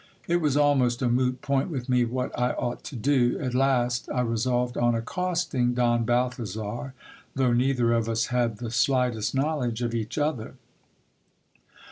It was almost a moot point with me what I ought to do. At last, I resolved on accosting Don Balthazar, though neither of us had the slightest knowledge of each other.